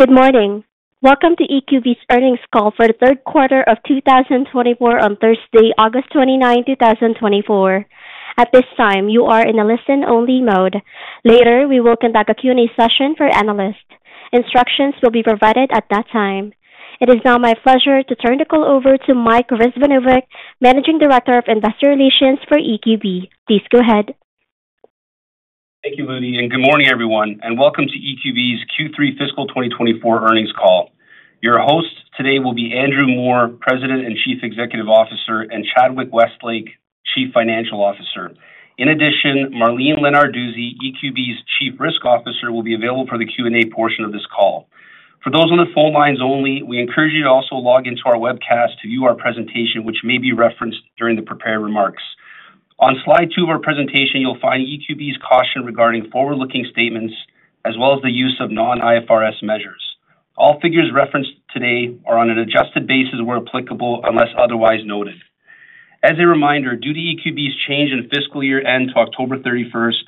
Good morning. Welcome to EQB's earnings call for the third quarter of 2024 on Thursday, August 29, 2024. At this time, you are in a listen-only mode. Later, we will conduct a Q&A session for analysts. Instructions will be provided at that time. It is now my pleasure to turn the call over to Mike Rizvanovic, Managing Director of Investor Relations for EQB. Please go ahead. Thank you, Ludi, and good morning, everyone, and welcome to EQB's Q3 fiscal 2024 earnings call. Your hosts today will be Andrew Moor, President and Chief Executive Officer, and Chadwick Westlake, Chief Financial Officer. In addition, Marlene Lenarduzzi, EQB's Chief Risk Officer, will be available for the Q&A portion of this call. For those on the phone lines only, we encourage you to also log into our webcast to view our presentation, which may be referenced during the prepared remarks. On slide two of our presentation, you'll find EQB's caution regarding forward-looking statements, as well as the use of non-IFRS measures. All figures referenced today are on an adjusted basis, where applicable, unless otherwise noted. As a reminder, due to EQB's change in fiscal year end to October 31st,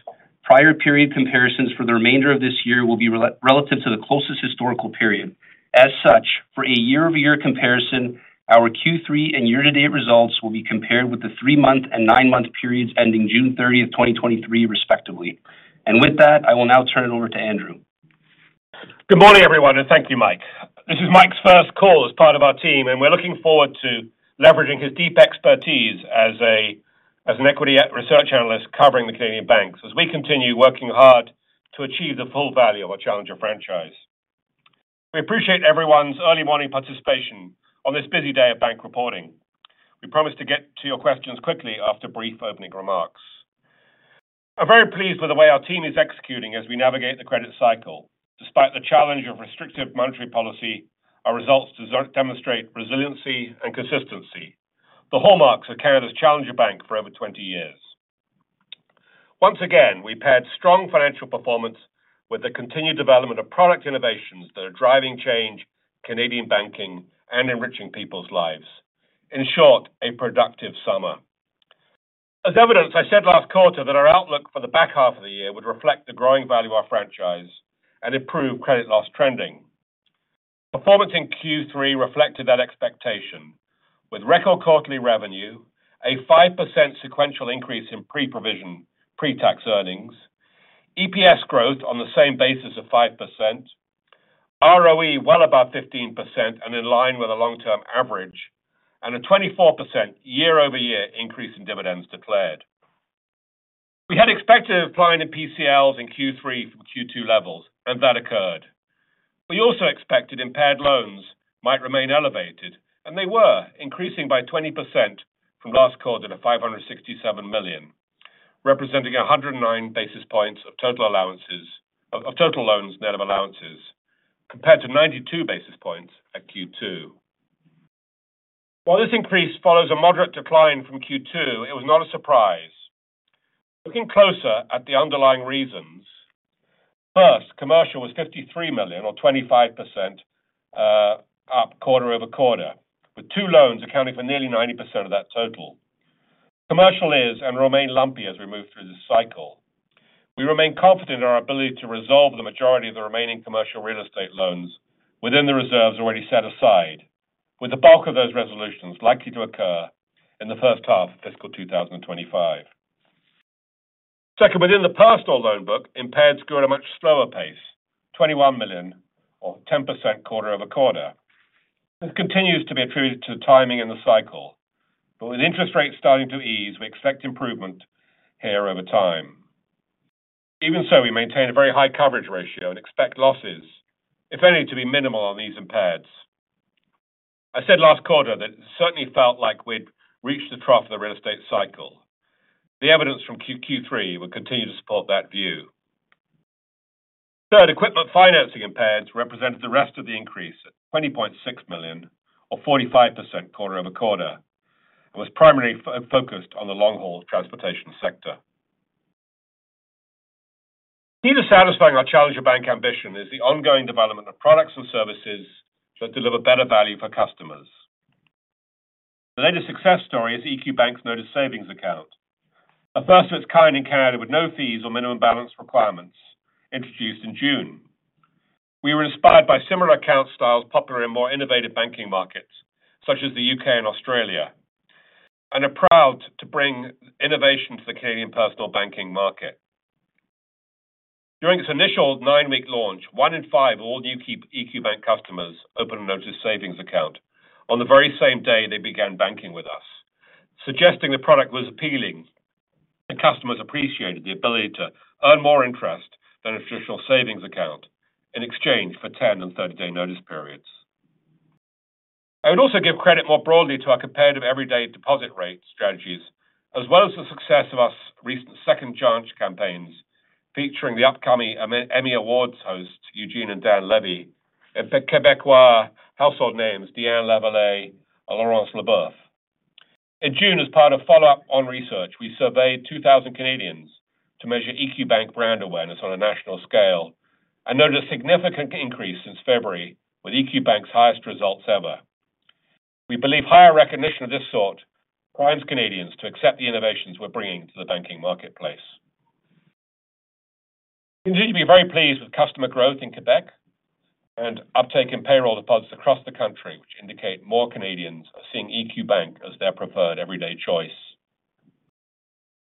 prior period comparisons for the remainder of this year will be relative to the closest historical period. As such, for a year-over-year comparison, our Q3 and year-to-date results will be compared with the three-month and nine-month periods ending June 30th, 2023, respectively, and with that, I will now turn it over to Andrew. Good morning, everyone, and thank you, Mike. This is Mike's first call as part of our team, and we're looking forward to leveraging his deep expertise as an equity research analyst covering the Canadian banks, as we continue working hard to achieve the full value of our Challenger franchise. We appreciate everyone's early morning participation on this busy day of bank reporting. We promise to get to your questions quickly after brief opening remarks. I'm very pleased with the way our team is executing as we navigate the credit cycle. Despite the challenge of restrictive monetary policy, our results demonstrate resiliency and consistency, the hallmarks of Canada's Challenger Bank for over twenty years. Once again, we paired strong financial performance with the continued development of product innovations that are driving change, Canadian banking, and enriching people's lives. In short, a productive summer. As evidenced, I said last quarter that our outlook for the back half of the year would reflect the growing value of our franchise and improve credit loss trending. Performance in Q3 reflected that expectation, with record quarterly revenue, a 5% sequential increase in pre-provision pre-tax earnings, EPS growth on the same basis of 5%, ROE well above 15% and in line with the long-term average, and a 24% year-over-year increase in dividends declared. We had expected a decline in PCLs in Q3 from Q2 levels, and that occurred. We also expected impaired loans might remain elevated, and they were, increasing by 20% from last quarter to 567 million, representing 109 basis points of total loans, net of allowances, compared to 92 basis points at Q2. While this increase follows a moderate decline from Q2, it was not a surprise. Looking closer at the underlying reasons, first, commercial was 53 million or 25%, up quarter-over-quarter, with two loans accounting for nearly 90% of that total. Commercial is and remain lumpy as we move through this cycle. We remain confident in our ability to resolve the majority of the remaining commercial real estate loans within the reserves already set aside, with the bulk of those resolutions likely to occur in the first half of fiscal 2025. Second, within the personal loan book, impaired grew at a much slower pace, 21 million, or 10% quarter-over-quarter. This continues to be attributed to the timing in the cycle, but with interest rates starting to ease, we expect improvement here over time. Even so, we maintain a very high coverage ratio and expect losses, if only to be minimal on these impaired. I said last quarter that it certainly felt like we'd reached the trough of the real estate cycle. The evidence from Q3 will continue to support that view. Third, equipment financing impaired represented the rest of the increase at 20.6 million or 45% quarter-over-quarter, and was primarily focused on the long-haul transportation sector. Key to satisfying our Challenger Bank ambition is the ongoing development of products and services that deliver better value for customers. The latest success story is EQ Bank's Notice Savings Account, the first of its kind in Canada, with no fees or minimum balance requirements, introduced in June. We were inspired by similar account styles popular in more innovative banking markets, such as the U.K. and Australia, and are proud to bring innovation to the Canadian personal banking market. During its initial nine-week launch, one in five all new EQ Bank customers Notice Savings Account on the very same day they began banking with us, suggesting the product was appealing, and customers appreciated the ability to earn more interest than traditional savings accounts in exchange for 10-day and 30-day notice periods. I would also give credit more broadly to our competitive everyday deposit rate strategies, as well as the success of our recent Second Chance campaigns featuring the upcoming Emmy Awards host Eugene and Dan Levy, and the Québecois household names, Diane Lavallée and Laurence Leboeuf. In June, as part of follow-up on research, we surveyed two thousand Canadians to measure EQ Bank brand awareness on a national scale and noted a significant increase since February, with EQ Bank's highest results ever. We believe higher recognition of this sort primes Canadians to accept the innovations we're bringing to the banking marketplace. We continue to be very pleased with customer growth in Quebec and uptake in payroll deposits across the country, which indicate more Canadians are seeing EQ Bank as their preferred everyday choice.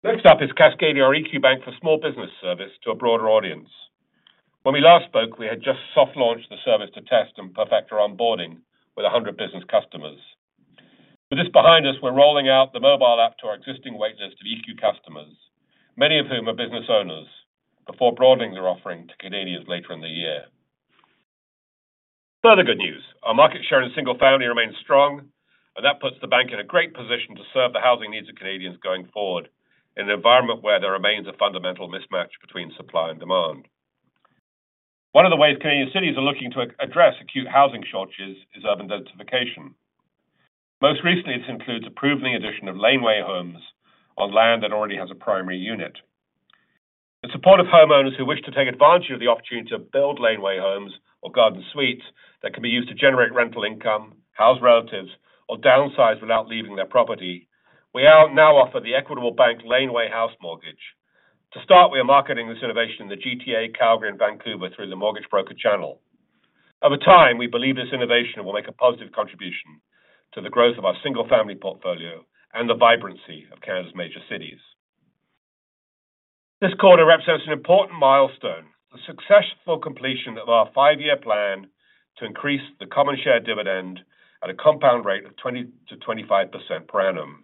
Next up is cascading our EQ Bank for small business service to a broader audience. When we last spoke, we had just soft launched the service to test and perfect our onboarding with a hundred business customers. With this behind us, we're rolling out the mobile app to our existing wait list of EQ customers, many of whom are business owners, before broadening their offering to Canadians later in the year. Further good news, our market share in single-family remains strong, and that puts the bank in a great position to serve the housing needs of Canadians going forward, in an environment where there remains a fundamental mismatch between supply and demand. One of the ways Canadian cities are looking to address acute housing shortages is urban densification. Most recently, this includes approving the addition of laneway homes on land that already has a primary unit. The support of homeowners who wish to take advantage of the opportunity to build laneway homes or garden suites that can be used to generate rental income, house relatives, or downsize without leaving their property. We now offer the Equitable Bank Laneway House Mortgage. To start, we are marketing this innovation in the GTA, Calgary, and Vancouver through the mortgage broker channel. Over time, we believe this innovation will make a positive contribution to the growth of our single-family portfolio and the vibrancy of Canada's major cities. This quarter represents an important milestone, a successful completion of our five-year plan to increase the common share dividend at a compound rate of 20%-25% per annum.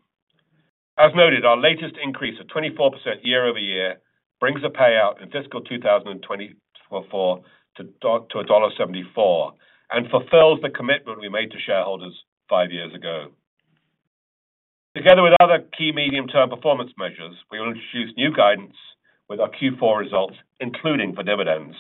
As noted, our latest increase of 24% year-over-year brings the payout in fiscal 2024 to dollar 1.74, and fulfills the commitment we made to shareholders five years ago. Together with other key medium-term performance measures, we will introduce new guidance with our Q4 results, including for dividends.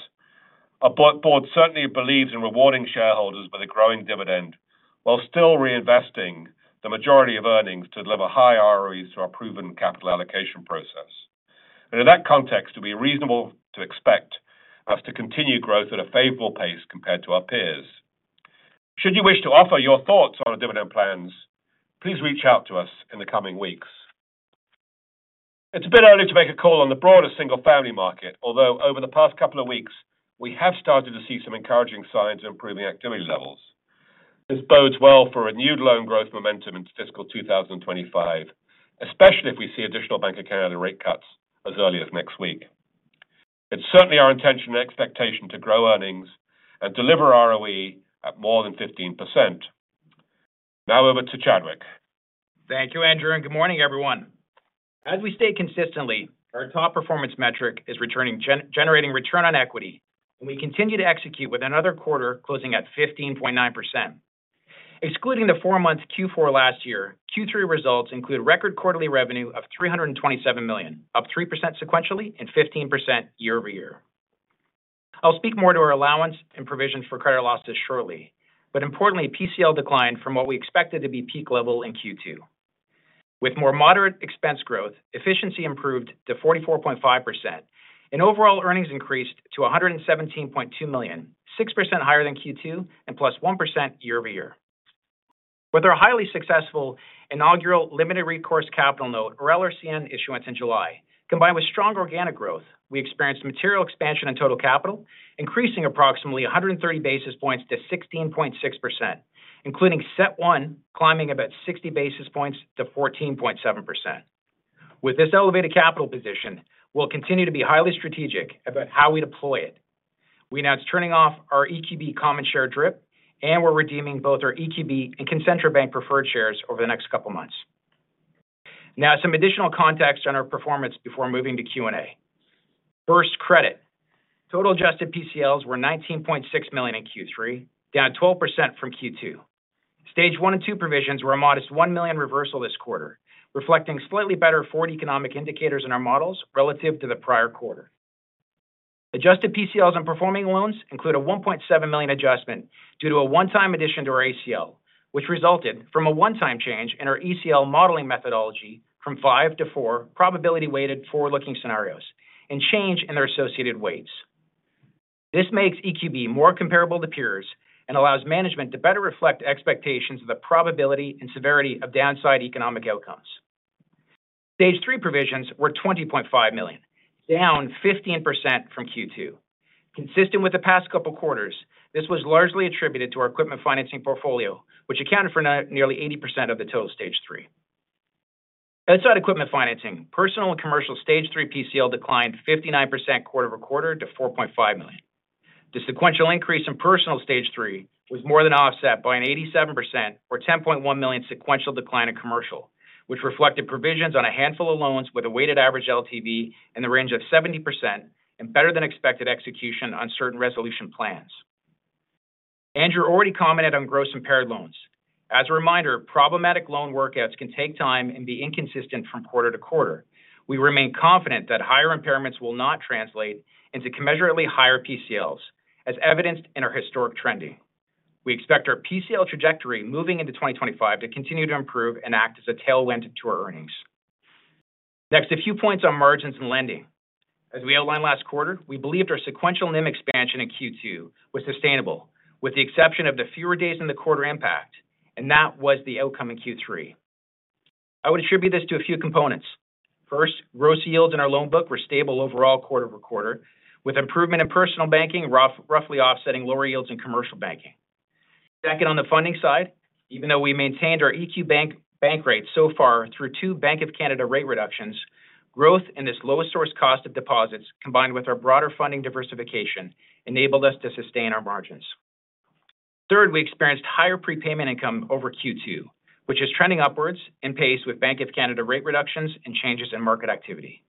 Our board certainly believes in rewarding shareholders with a growing dividend while still reinvesting the majority of earnings to deliver high ROEs through our proven capital allocation process. In that context, it will be reasonable to expect us to continue growth at a favorable pace compared to our peers. Should you wish to offer your thoughts on our dividend plans, please reach out to us in the coming weeks. It's a bit early to make a call on the broader single-family market, although over the past couple of weeks, we have started to see some encouraging signs of improving activity levels. This bodes well for renewed loan growth momentum into fiscal 2025, especially if we see additional Bank of Canada rate cuts as early as next week. It's certainly our intention and expectation to grow earnings and deliver ROE at more than 15%. Now over to Chadwick. Thank you, Andrew, and good morning, everyone. As we state consistently, our top performance metric is generating return on equity, and we continue to execute with another quarter closing at 15.9%. Excluding the four months Q4 last year, Q3 results include record quarterly revenue of 327 million, up 3% sequentially and 15% year-over-year. I'll speak more to our allowance and provisions for credit losses shortly, but importantly, PCL declined from what we expected to be peak level in Q2. With more moderate expense growth, efficiency improved to 44.5%, and overall earnings increased to 117.2 million, 6% higher than Q2 and +1% year-over-year. With our highly successful inaugural limited recourse capital note, or LRCN issuance in July, combined with strong organic growth, we experienced material expansion in total capital, increasing approximately 130 basis points to 16.6%, including CET1, climbing about 60 basis points to 14.7%. With this elevated capital position, we'll continue to be highly strategic about how we deploy it. We're now turning off our EQB common share DRIP, and we're redeeming both our EQB and Concentra Bank preferred shares over the next couple of months. Now, some additional context on our performance before moving to Q&A. First, credit. Total adjusted PCLs were 19.6 million in Q3, down 12% from Q2. Stage 1 and 2 provisions were a modest 1 million reversal this quarter, reflecting slightly better forward economic indicators in our models relative to the prior quarter. Adjusted PCLs on performing loans include a 1.7 million adjustment due to a 1x addition to our ACL, which resulted from a 1x change in our ECL modeling methodology from five to four probability weighted forward-looking scenarios and change in their associated weights. This makes EQB more comparable to peers and allows management to better reflect expectations of the probability and severity of downside economic outcomes. Stage 3 provisions were 20.5 million, down 15% from Q2. Consistent with the past couple of quarters, this was largely attributed to our equipment financing portfolio, which accounted for nearly 80% of the total Stage 3. Outside equipment financing, personal and commercial Stage 3 PCL declined 59% quarter-over-quarter to 4.5 million. The sequential increase in personal Stage 3 was more than offset by an 87% or 10.1 million sequential decline in commercial, which reflected provisions on a handful of loans with a weighted average LTV in the range of 70% and better than expected execution on certain resolution plans. Andrew already commented on gross impaired loans. As a reminder, problematic loan workouts can take time and be inconsistent from quarter to quarter. We remain confident that higher impairments will not translate into commensurately higher PCLs, as evidenced in our historic trending. We expect our PCL trajectory moving into 2025 to continue to improve and act as a tailwind to our earnings. Next, a few points on margins and lending. As we outlined last quarter, we believed our sequential NIM expansion in Q2 was sustainable, with the exception of the fewer days in the quarter impact, and that was the outcome in Q3. I would attribute this to a few components. First, gross yields in our loan book were stable overall quarter-over-quarter, with improvement in personal banking roughly offsetting lower yields in commercial banking. Second, on the funding side, even though we maintained our EQ Bank bank rate so far through two Bank of Canada rate reductions, growth in this lowest source cost of deposits, combined with our broader funding diversification, enabled us to sustain our margins. Third, we experienced higher prepayment income over Q2, which is trending upwards in pace with Bank of Canada rate reductions and changes in market activity.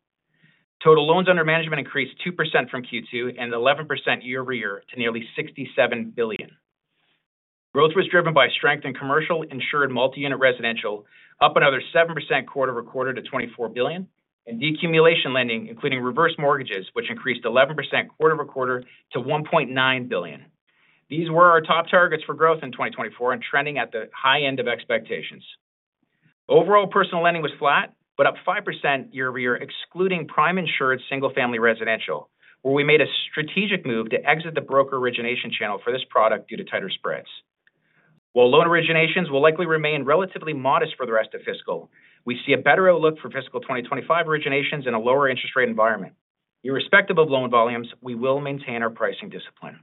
Total loans under management increased 2% from Q2 and 11% year-over-year to nearly 67 billion. Growth was driven by strength in commercial, insured, multi-unit residential, up another 7% quarter-over-quarter to 24 billion, and decumulation lending, including reverse mortgages, which increased 11% quarter-over-quarter to 1.9 billion. These were our top targets for growth in 2024 and trending at the high end of expectations. Overall, personal lending was flat, but up 5% year-over-year, excluding prime insured single-family residential, where we made a strategic move to exit the broker origination channel for this product due to tighter spreads. While loan originations will likely remain relatively modest for the rest of fiscal, we see a better outlook for fiscal 2025 originations in a lower interest rate environment. Irrespective of loan volumes, we will maintain our pricing discipline.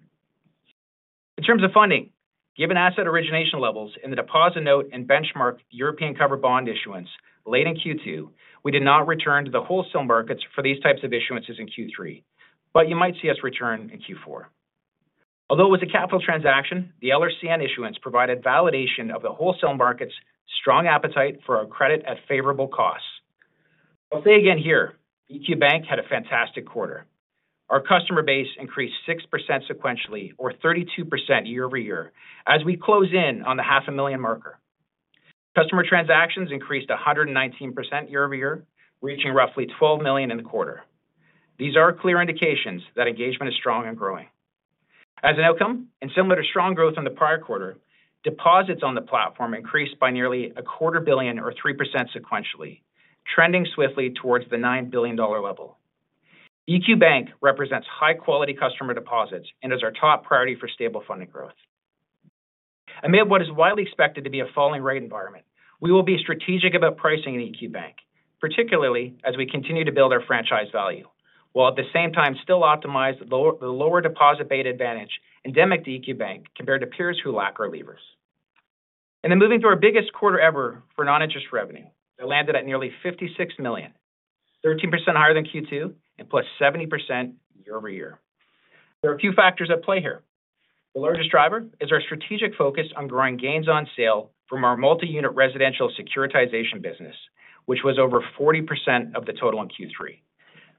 In terms of funding, given asset origination levels in the deposit note and benchmark European cover bond issuance late in Q2, we did not return to the wholesale markets for these types of issuances in Q3, but you might see us return in Q4. Although it was a capital transaction, the LRCN issuance provided validation of the wholesale market's strong appetite for our credit at favorable costs. I'll say again here, EQ Bank had a fantastic quarter. Our customer base increased 6% sequentially or 32% year-over-year as we close in on the 500,000 marker. Customer transactions increased 119% year-over-year, reaching roughly 12 million in the quarter. These are clear indications that engagement is strong and growing. As an outcome, and similar to strong growth in the prior quarter, deposits on the platform increased by nearly 250 million or 3% sequentially, trending swiftly towards the 9 billion dollar level. EQ Bank represents high-quality customer deposits and is our top priority for stable funding growth. Amid what is widely expected to be a falling rate environment, we will be strategic about pricing in EQ Bank, particularly as we continue to build our franchise value, while at the same time still optimize the lower deposit beta advantage endemic to EQ Bank, compared to peers who lack our levers. And then moving to our biggest quarter ever for non-interest revenue, that landed at nearly 56 million, 13% higher than Q2 and +70% year-over-year. There are a few factors at play here. The largest driver is our strategic focus on growing gains on sale from our multi-unit residential securitization business, which was over 40% of the total in Q3.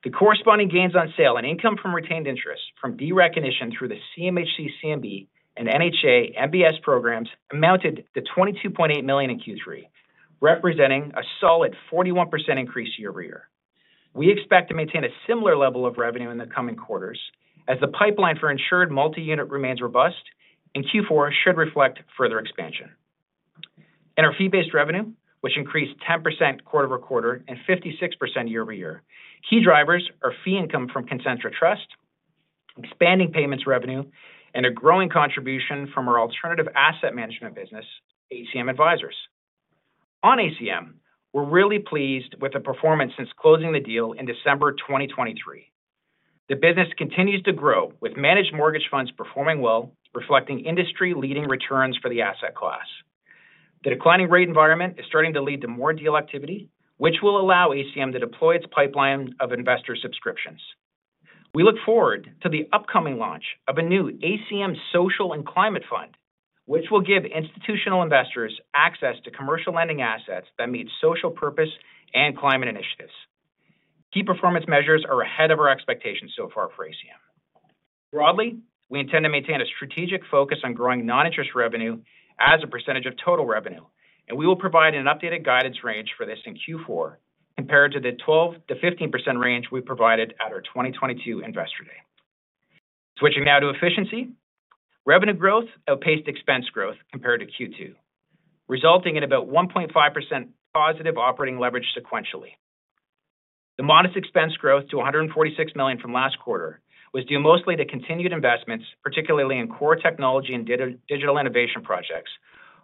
The corresponding gains on sale and income from retained interest from fair value recognition through the CMHC, CMB, and NHA MBS programs amounted to 22.8 million in Q3, representing a solid 41% increase year-over-year. We expect to maintain a similar level of revenue in the coming quarters as the pipeline for insured multi-unit remains robust, and Q4 should reflect further expansion. In our fee-based revenue, which increased 10% quarter-over-quarter and 56% year-over-year, key drivers are fee income from Concentra Trust, expanding payments revenue, and a growing contribution from our alternative asset management business, ACM Advisors. On ACM, we're really pleased with the performance since closing the deal in December 2023. The business continues to grow, with managed mortgage funds performing well, reflecting industry-leading returns for the asset class. The declining rate environment is starting to lead to more deal activity, which will allow ACM to deploy its pipeline of investor subscriptions. We look forward to the upcoming launch of a new ACM Social and Climate Fund, which will give institutional investors access to commercial lending assets that meet social purpose and climate initiatives. Key performance measures are ahead of our expectations so far for ACM. Broadly, we intend to maintain a strategic focus on growing non-interest revenue as a percentage of total revenue, and we will provide an updated guidance range for this in Q4 compared to the 12%-15% range we provided at our 2022 Investor Day. Switching now to efficiency. Revenue growth outpaced expense growth compared to Q2, resulting in about 1.5% positive operating leverage sequentially. The modest expense growth to 146 million from last quarter was due mostly to continued investments, particularly in core technology and digital innovation projects,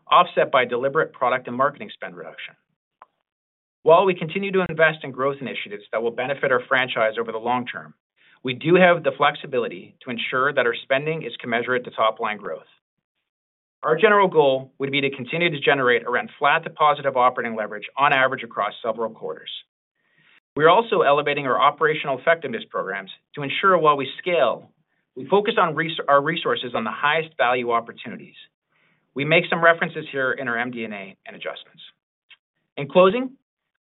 offset by deliberate product and marketing spend reduction. While we continue to invest in growth initiatives that will benefit our franchise over the long term, we do have the flexibility to ensure that our spending is commensurate to top-line growth. Our general goal would be to continue to generate around flat to positive operating leverage on average across several quarters. We are also elevating our operational effectiveness programs to ensure while we scale, we focus on our resources on the highest value opportunities. We make some references here in our MD&A and adjustments. In closing,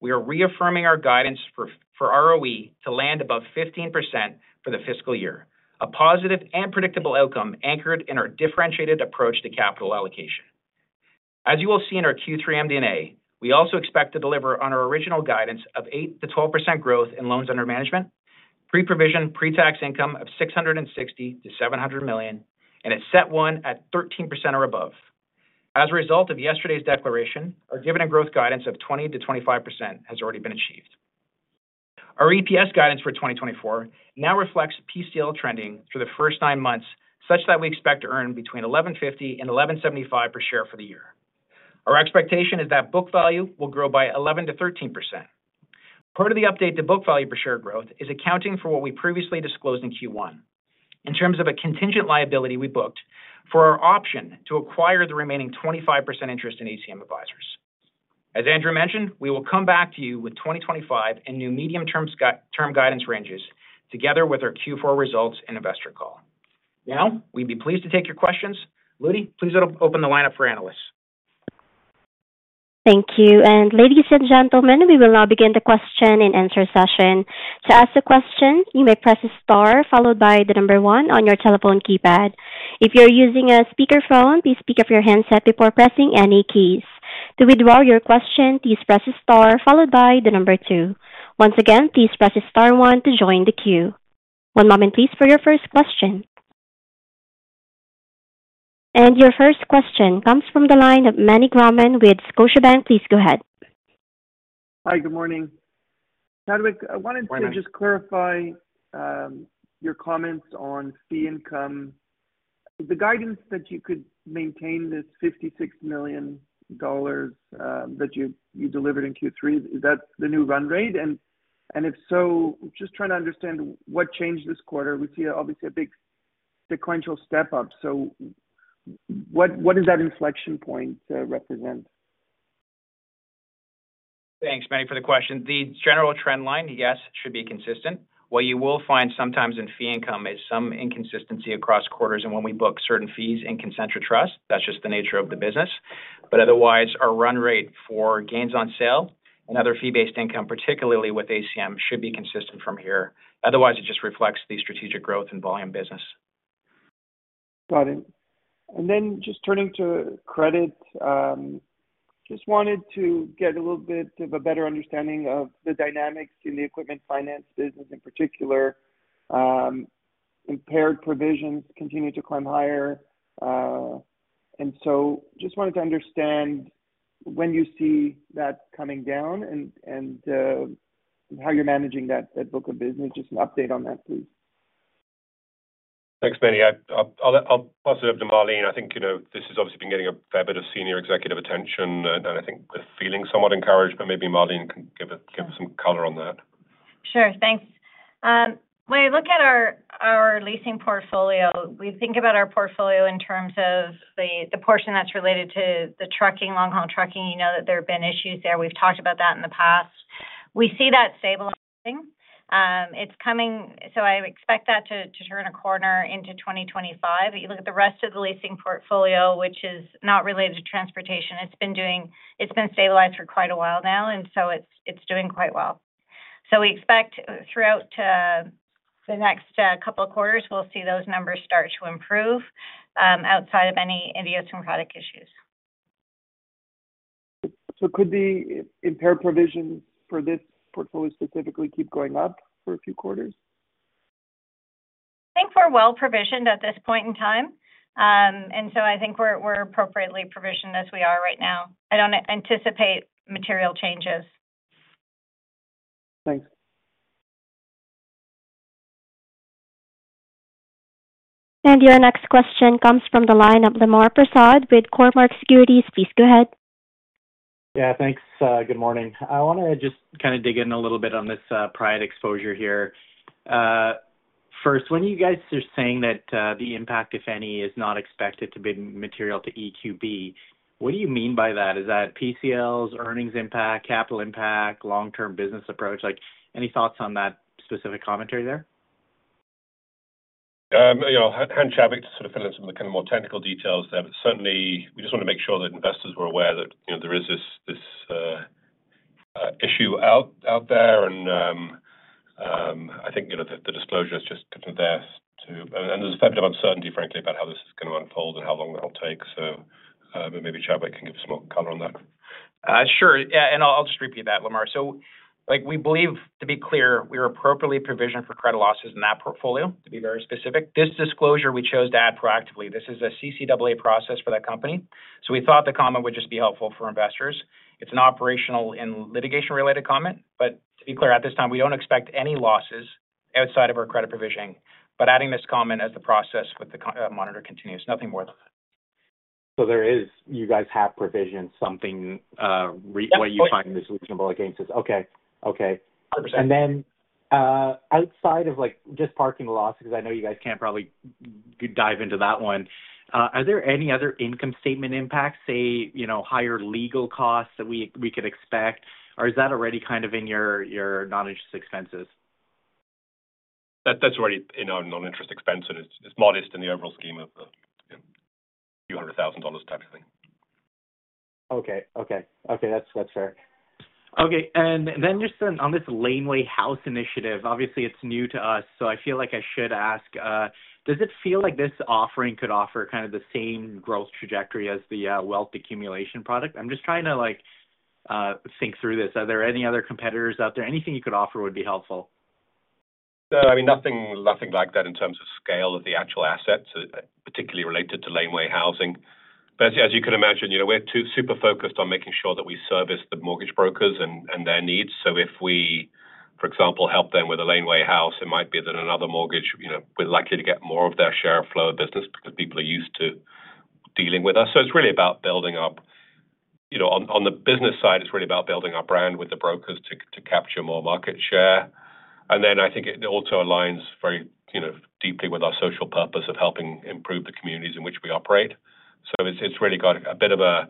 we are reaffirming our guidance for ROE to land above 15% for the fiscal year, a positive and predictable outcome anchored in our differentiated approach to capital allocation. As you will see in our Q3 MD&A, we also expect to deliver on our original guidance of 8%-12% growth in loans under management, pre-provision, pre-tax income of 660 million-700 million, and a CET1 at 13% or above. As a result of yesterday's declaration, our dividend growth guidance of 20%-25% has already been achieved. Our EPS guidance for 2024 now reflects PCL trending through the first nine months, such that we expect to earn between 11.50 and 11.75 per share for the year. Our expectation is that book value will grow by 11%-13%. Part of the update to book value per share growth is accounting for what we previously disclosed in Q1. In terms of a contingent liability, we booked for our option to acquire the remaining 25% interest in ACM Advisors. As Andrew mentioned, we will come back to you with 2025 and new medium-term guidance ranges, together with our Q4 results and investor call. Now, we'd be pleased to take your questions. Ludi, please open the lineup for analysts. Thank you, and ladies and gentlemen, we will now begin the question and answer session. To ask a question, you may press star, followed by the number one on your telephone keypad. If you're using a speakerphone, please speak up your handset before pressing any keys. To withdraw your question, please press star followed by the number two. Once again, please press star one to join the queue. One moment, please, for your first question, and your first question comes from the line of Meny Grauman with Scotiabank. Please go ahead. Hi, good morning. Chadwick, I wanted to- Good morning. Just clarify your comments on fee income. The guidance that you could maintain this 56 million dollars that you delivered in Q3, is that the new run rate? And if so, just trying to understand what changed this quarter. We see obviously a big sequential step up. So what does that inflection point represent? Thanks, Meny, for the question. The general trend line, yes, should be consistent. What you will find sometimes in fee income is some inconsistency across quarters and when we book certain fees in Concentra Trust. That's just the nature of the business. But otherwise, our run rate for gains on sale and other fee-based income, particularly with ACM, should be consistent from here. Otherwise, it just reflects the strategic growth and volume business. Got it. And then just turning to credit, just wanted to get a little bit of a better understanding of the dynamics in the equipment finance business in particular, impaired provisions continue to climb higher. And so just wanted to understand when you see that coming down and how you're managing that book of business? Just an update on that, please. Thanks, Meny. I'll pass it over to Marlene. I think, you know, this has obviously been getting a fair bit of senior executive attention, and I think we're feeling somewhat encouraged, but maybe Marlene can give some color on that. Sure. Thanks. When I look at our leasing portfolio, we think about our portfolio in terms of the portion that's related to the trucking, long-haul trucking. You know, that there have been issues there. We've talked about that in the past. We see that stabilizing. It's coming. So I expect that to turn a corner into 2025. If you look at the rest of the leasing portfolio, which is not related to transportation, it's been stabilized for quite a while now, and so it's doing quite well. So we expect throughout the next couple of quarters, we'll see those numbers start to improve, outside of any idiosyncratic issues. Could the impaired provision for this portfolio specifically keep going up for a few quarters? I think we're well provisioned at this point in time, and so I think we're appropriately provisioned as we are right now. I don't anticipate material changes. Thanks. Your next question comes from the line of Lemar Persaud with Cormark Securities. Please go ahead. Yeah, thanks. Good morning. I wanna just kind of dig in a little bit on this Pride exposure here. First, when you guys are saying that the impact, if any, is not expected to be material to EQB, what do you mean by that? Is that PCLs, earnings impact, capital impact, long-term business approach? Like, any thoughts on that specific commentary there? You know, hand Chadwick to sort of fill in some of the kind of more technical details there, but certainly, we just want to make sure that investors were aware that, you know, there is this issue out there, and I think, you know, the disclosure is just kind of there to – and there's a fair bit of uncertainty, frankly, about how this is going to unfold and how long that'll take, so but maybe Chadwick can give some more color on that. Sure. Yeah, and I'll just repeat that, Lemar. So, like, we believe, to be clear, we are appropriately provisioned for credit losses in that portfolio, to be very specific. This disclosure, we chose to add proactively. This is a CCAA process for that company, so we thought the comment would just be helpful for investors. It's an operational and litigation-related comment, but to be clear, at this time, we don't expect any losses outside of our credit provisioning, but adding this comment as the process with the court monitor continues. Nothing more than that. So there is you guys have provisioned something, re- Yes. What you find is reasonable against this. Okay. Okay. 100%. And then, outside of, like, just parking the loss, because I know you guys can't probably dive into that one, are there any other income statement impacts, say, you know, higher legal costs that we could expect? Or is that already kind of in your non-interest expenses? That's already in our non-interest expense, and it's modest in the overall scheme of the, you know, few hundred thousand CAD type of thing. Okay, that's fair. Okay, and then just on this Laneway House initiative, obviously, it's new to us, so I feel like I should ask. Does it feel like this offering could offer kind of the same growth trajectory as the wealth accumulation product? I'm just trying to, like, think through this. Are there any other competitors out there? Anything you could offer would be helpful. No, I mean, nothing, nothing like that in terms of scale of the actual assets, particularly related to laneway housing. But as you can imagine, you know, we're too super focused on making sure that we service the mortgage brokers and their needs. So if we, for example, help them with a laneway house, it might be that another mortgage, you know, we're likely to get more of their share of flow of business because people are used to dealing with us. So it's really about building up. You know, on the business side, it's really about building our brand with the brokers to capture more market share. And then I think it also aligns very, you know, deeply with our social purpose of helping improve the communities in which we operate. So it's really got a bit of a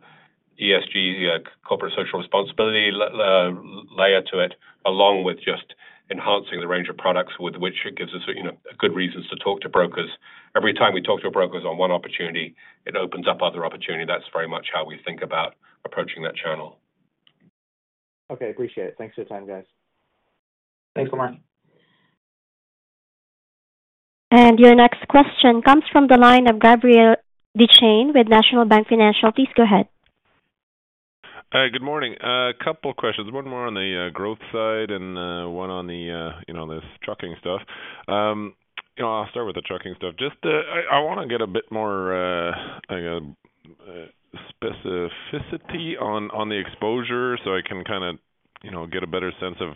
ESG, corporate social responsibility layer to it, along with just enhancing the range of products with which it gives us, you know, good reasons to talk to brokers. Every time we talk to a brokers on one opportunity, it opens up other opportunity. That's very much how we think about approaching that channel. Okay, appreciate it. Thanks for your time, guys. Thanks so much. Your next question comes from the line of Gabriel Dechaine with National Bank Financial. Please go ahead. Good morning. A couple questions, one more on the growth side and one on the you know, this trucking stuff. You know, I'll start with the trucking stuff. Just, I wanna get a bit more, I guess, specificity on the exposure so I can kinda, you know, get a better sense of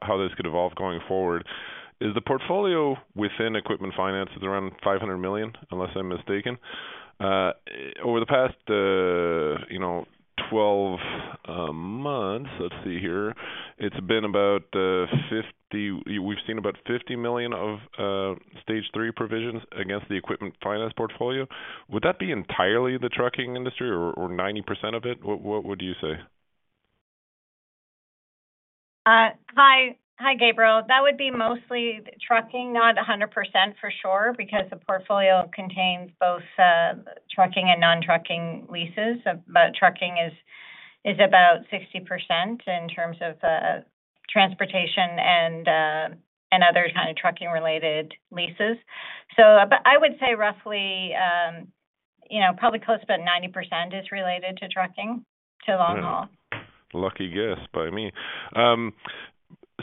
how this could evolve going forward. Is the portfolio within equipment finances around 500 million, unless I'm mistaken? Over the past you know, 12 months, let's see here, it's been about, we've seen about 50 million of Stage 3 provisions against the equipment finance portfolio. Would that be entirely the trucking industry or 90% of it? What would you say? Hi. Hi, Gabriel. That would be mostly trucking, not 100% for sure, because the portfolio contains both trucking and non-trucking leases. But trucking is about 60% in terms of transportation and other kind of trucking-related leases. So but I would say roughly, you know, probably close to about 90% is related to trucking, to long haul. Lucky guess by me.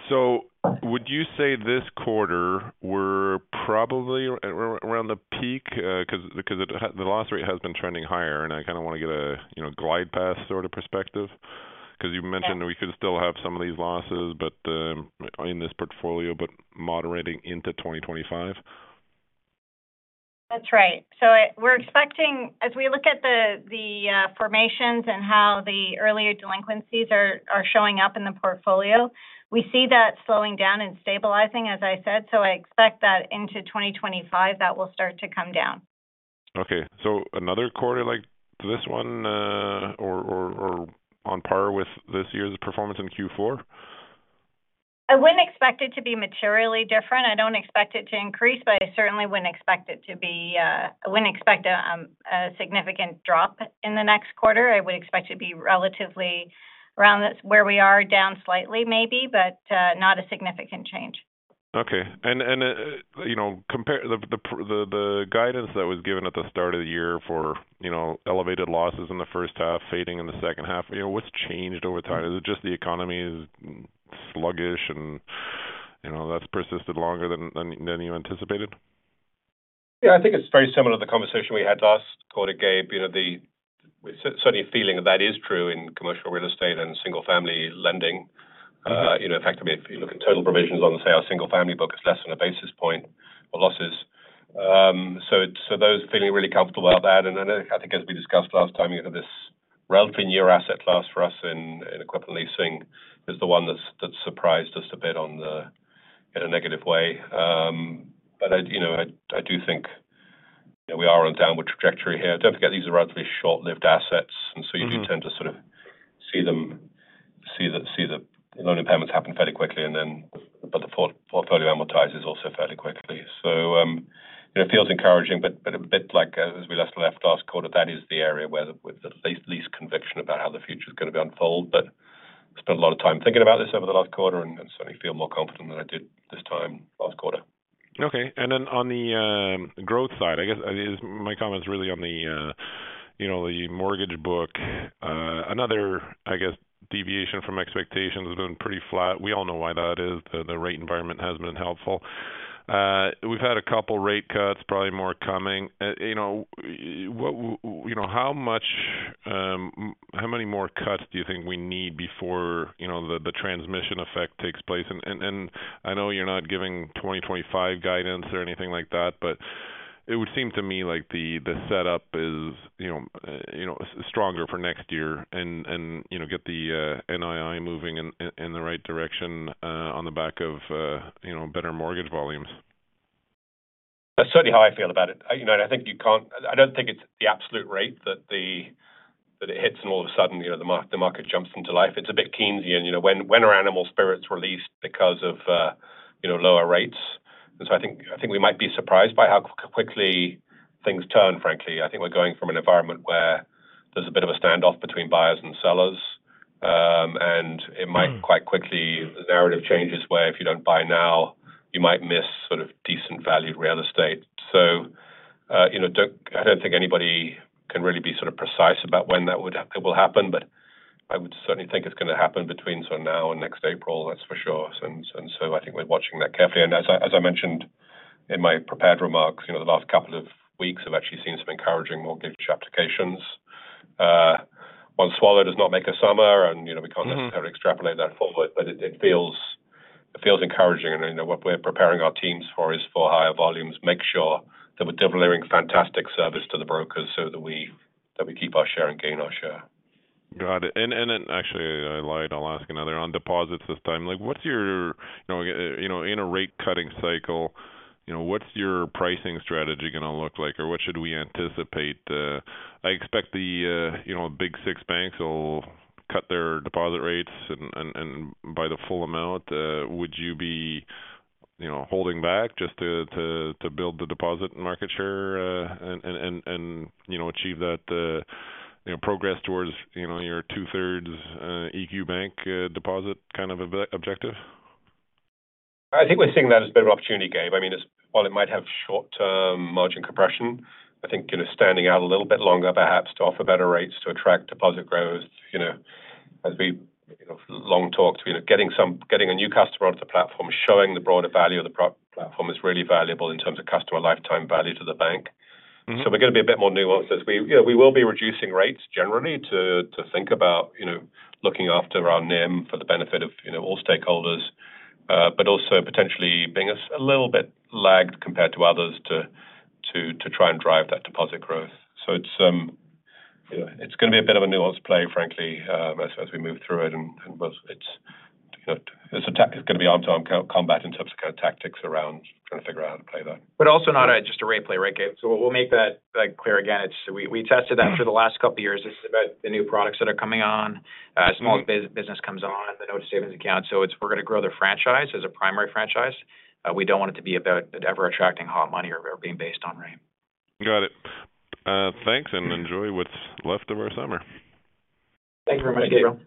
So would you say this quarter we're probably around the peak? 'Cause, because the loss rate has been trending higher, and I kinda wanna get a, you know, glide path sort of perspective. Yeah. 'Cause you mentioned we could still have some of these losses, but in this portfolio, but moderating into 2025. That's right. We're expecting as we look at the formations and how the earlier delinquencies are showing up in the portfolio, we see that slowing down and stabilizing, as I said. So I expect that into 2025, that will start to come down. Okay, so another quarter like this one, or on par with this year's performance in Q4? I wouldn't expect it to be materially different. I don't expect it to increase, but I certainly wouldn't expect it to be a significant drop in the next quarter. I would expect it to be relatively around this, where we are, down slightly maybe, but not a significant change. Okay. And you know, compare the guidance that was given at the start of the year for, you know, elevated losses in the first half, fading in the second half, you know, what's changed over time? Is it just the economy is sluggish and, you know, that's persisted longer than you anticipated? Yeah, I think it's very similar to the conversation we had last quarter, Gabe. You know, the certainly feeling that is true in commercial real estate and single family lending. You know, in fact, I mean, if you look at total provisions on, say, our single family book, it's less than a basis point for losses. So those feeling really comfortable about that, and then I think as we discussed last time, you know, this relatively newer asset class for us in equipment leasing is the one that's surprised us a bit on the, in a negative way. But, you know, I do think, you know, we are on downward trajectory here. Don't forget, these are relatively short-lived assets and so you do tend to sort of see the loan impairments happen fairly quickly, and then but the portfolio amortizes also fairly quickly. So it feels encouraging, but a bit like as we last left last quarter, that is the area with the least conviction about how the future is gonna unfold. But I spent a lot of time thinking about this over the last quarter and certainly feel more confident than I did this time last quarter. Okay. And then on the growth side, I guess, I guess my comment is really on the you know, the mortgage book. Another, I guess, deviation from expectations has been pretty flat. We all know why that is. The rate environment has been helpful. We've had a couple rate cuts, probably more coming. You know, you know, how many more cuts do you think we need before, you know, the transmission effect takes place? And I know you're not giving 2025 guidance or anything like that, but it would seem to me like the setup is, you know, you know, stronger for next year and you know, get the NII moving in the right direction on the back of you know, better mortgage volumes. That's certainly how I feel about it. You know, and I think you can't. I don't think it's the absolute rate that it hits, and all of a sudden, you know, the market jumps into life. It's a bit Keynesian, you know, when are animal spirits released because of, you know, lower rates? And so I think, I think we might be surprised by how quickly things turn, frankly. I think we're going from an environment where there's a bit of a standoff between buyers and sellers, and it might quite quickly, the narrative changes, where if you don't buy now, you might miss sort of decent value real estate. So, you know, I don't think anybody can really be sort of precise about when that would happen, it will happen, but I would certainly think it's gonna happen between now and next April, that's for sure. And so I think we're watching that carefully. And as I mentioned in my prepared remarks, you know, the last couple of weeks have actually seen some encouraging mortgage applications. One swallow does not make a summer and, you know, we can't necessarily extrapolate that forward, but it feels encouraging. You know, what we're preparing our teams for is for higher volumes, make sure that we're delivering fantastic service to the brokers so that we keep our share and gain our share. Got it. And then actually, I lied, I'll ask another on deposits this time. Like, what's your, you know, you know, in a rate cutting cycle, you know, what's your pricing strategy gonna look like? Or what should we anticipate? I expect the, you know, big six banks will cut their deposit rates and by the full amount. Would you be, you know, holding back just to build the deposit market share, and, you know, achieve that, you know, progress towards, you know, your 2/3, EQ Bank, deposit kind of objective? I think we're seeing that as a bit of an opportunity, Gabe. I mean, it's while it might have short-term margin compression, I think, you know, standing out a little bit longer, perhaps to offer better rates to attract deposit growth, you know, as we, you know, long talked, you know, getting a new customer onto the platform, showing the broader value of the platform is really valuable in terms of customer lifetime value to the bank. So we're gonna be a bit more nuanced as we. You know, we will be reducing rates generally to think about, you know, looking after our NIM for the benefit of, you know, all stakeholders, but also potentially being a little bit lagged compared to others to try and drive that deposit growth. So it's, you know, it's gonna be a bit of a nuanced play, frankly, as we move through it. But it's, you know, it's gonna be arm to arm combat in terms of kind of tactics around trying to figure out how to play that. But also not just a rate play, right, Gabe? So we'll make that clear again. It's. We tested that for the last couple of years. This is about the new products that are coming on, Small Business Account comes on, the Notice Savings Account. So it's, we're gonna grow their franchise as a primary franchise. We don't want it to be about ever attracting hot money or ever being based on rate. Got it. Thanks, and enjoy what's left of our summer. Thank you very much, Gabriel.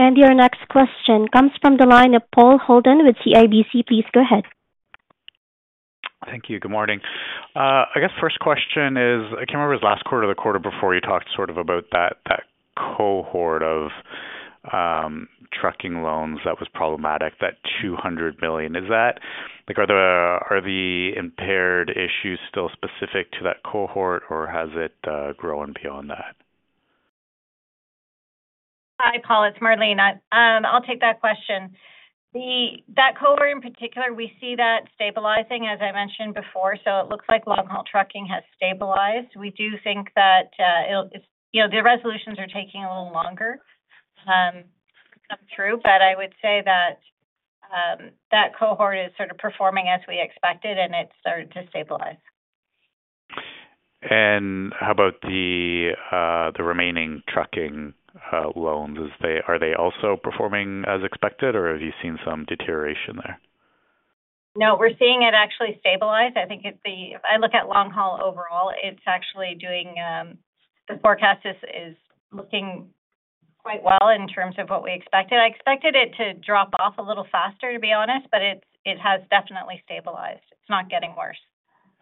Thank you. Your next question comes from the line of Paul Holden with CIBC. Please go ahead. Thank you. Good morning. I guess first question is, I can't remember if it was last quarter or the quarter before, you talked sort of about that cohort of trucking loans that was problematic, that two hundred billion. Is that? Like, are the impaired issues still specific to that cohort, or has it grown beyond that? Hi, Paul, it's Marlene. I'll take that question. That cohort in particular, we see that stabilizing, as I mentioned before, so it looks like long-haul trucking has stabilized. We do think that, it'll. It's, you know, the resolutions are taking a little longer, come true. But I would say that, that cohort is sort of performing as we expected, and it's starting to stabilize. How about the remaining trucking loans? Are they also performing as expected, or have you seen some deterioration there? No, we're seeing it actually stabilize. I think it, I look at long haul overall, it's actually doing, the forecast is looking quite well in terms of what we expected. I expected it to drop off a little faster, to be honest, but it's, it has definitely stabilized. It's not getting worse.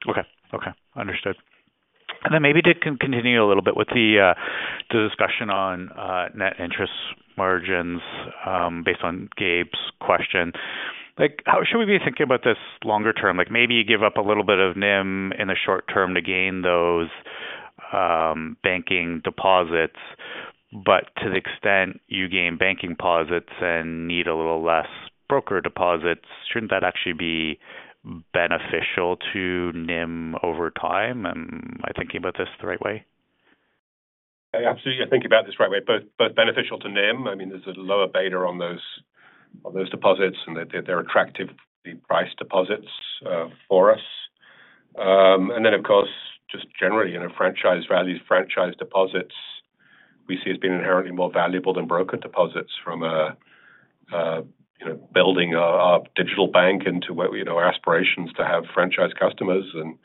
Okay. Okay, understood. And then maybe to continue a little bit with the discussion on net interest margins, based on Gabe's question. Like, how should we be thinking about this longer term? Like, maybe you give up a little bit of NIM in the short term to gain those banking deposits, but to the extent you gain banking deposits and need a little less broker deposits, shouldn't that actually be beneficial to NIM over time? Am I thinking about this the right way? Yeah, absolutely. You're thinking about this the right way, both beneficial to NIM. I mean, there's a lower beta on those deposits, and they're attractive price deposits for us. And then, of course, just generally, you know, franchise values, franchise deposits, we see as being inherently more valuable than broker deposits from a, you know, building a digital bank into where, you know, our aspirations to have franchise customers and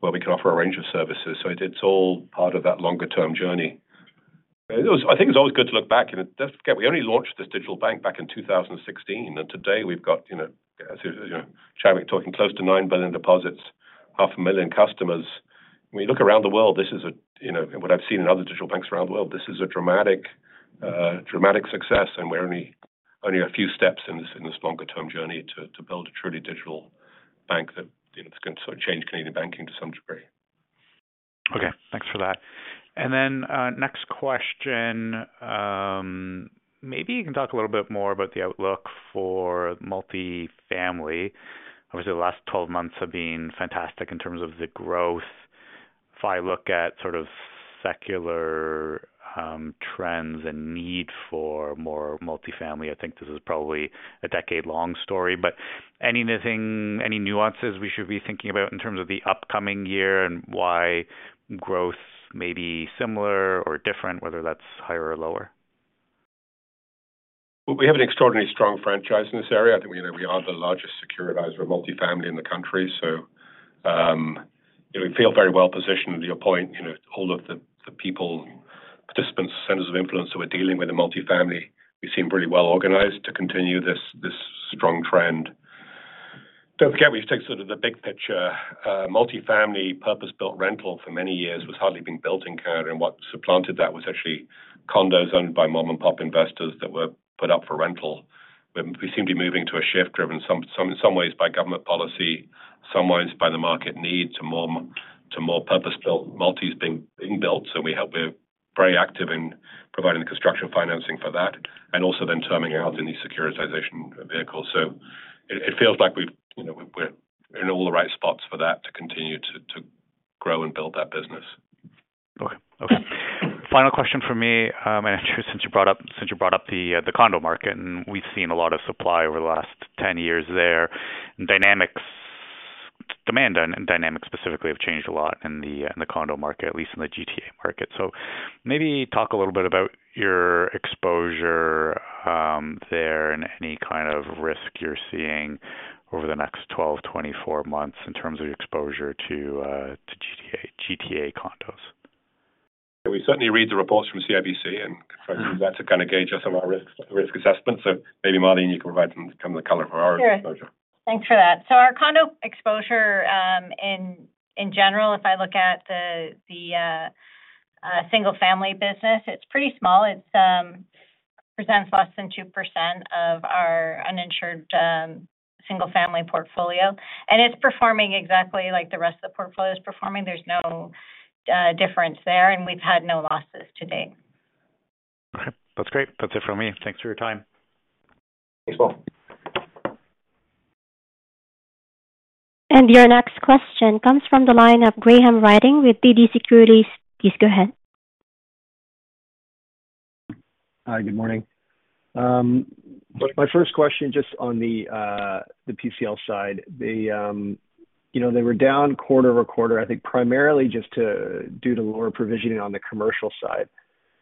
where we can offer a range of services. So it's all part of that longer-term journey. I think it's always good to look back, and let's forget, we only launched this digital bank back in 2016, and today we've got, you know, as you know, Chadwik talking close to 9 billion deposits, 500,000 customers. When you look around the world, this is, you know, what I've seen in other digital banks around the world. This is a dramatic success, and we're only a few steps in this longer-term journey to build a truly digital bank that, you know, is gonna sort of change Canadian banking to some degree. Okay, thanks for that. And then, next question. Maybe you can talk a little bit more about the outlook for multifamily. Obviously, the last twelve months have been fantastic in terms of the growth. If I look at sort of secular trends and need for more multifamily, I think this is probably a decade-long story, but anything, any nuances we should be thinking about in terms of the upcoming year and why growth may be similar or different, whether that's higher or lower? We have an extraordinarily strong franchise in this area. I think, you know, we are the largest securitizer of multifamily in the country. We feel very well positioned to your point, you know, all of the people, participants, centers of influence that we're dealing with in multifamily. We seem pretty well organized to continue this strong trend. Don't forget, we take sort of the big picture. Multifamily purpose-built rental for many years was hardly being built in Canada, and what supplanted that was actually condos owned by mom-and-pop investors that were put up for rental. But we seem to be moving to a shift driven in some ways by government policy, some ways by the market need to more purpose-built multis being built. So we help. We're very active in providing the construction financing for that and also then terming out in these securitization vehicles. So it feels like we've, you know, we're in all the right spots for that to continue to grow and build that business. Okay. Final question from me, and Andrew, since you brought up the condo market, and we've seen a lot of supply over the last 10 years there. Demand and dynamics specifically have changed a lot in the condo market, at least in the GTA market. So maybe talk a little bit about your exposure there, and any kind of risk you're seeing over the next 12 months, 24 months in terms of your exposure to GTA condos. We certainly read the reports from CIBC, and that to kind of gauge us on our risk assessment. So maybe, Marlene, you can provide some of the color for our exposure. Sure. Thanks for that, so our condo exposure, in general, if I look at the single family business, it's pretty small. It presents less than 2% of our uninsured single family portfolio, and it's performing exactly like the rest of the portfolio is performing. There's no difference there, and we've had no losses to date. Okay, that's great. That's it from me. Thanks for your time. Thanks, Paul. And your next question comes from the line of Graham Ryding with TD Securities. Please go ahead. Hi, good morning. My first question, just on the PCL side. You know, they were down quarter-over-quarter, I think primarily just due to lower provisioning on the commercial side.